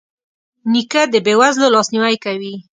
نیکه د بې وزلو لاسنیوی کوي.